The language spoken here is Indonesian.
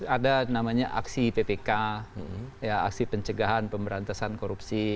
ada namanya aksi ppk aksi pencegahan pemberantasan korupsi